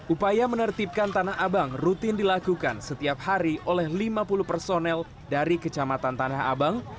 upaya menertibkan tanah abang rutin dilakukan setiap hari oleh lima puluh personel dari kecamatan tanah abang